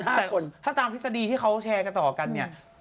แต่ถ้าตามทฤษฎีที่เขาแชร์กันต่อกันเนี่ย